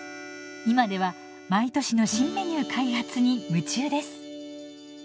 今では毎年の新メニュー開発に夢中です。